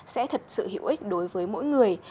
sẽ thật sự hữu ích đối với mỗi người